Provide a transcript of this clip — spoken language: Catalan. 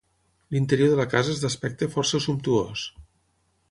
L'interior de la casa és d'aspecte força sumptuós.